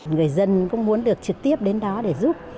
người dân cũng muốn được trực tiếp đến đó để giúp